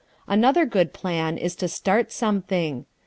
Another good plan is to start something.